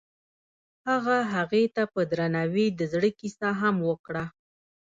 هغه هغې ته په درناوي د زړه کیسه هم وکړه.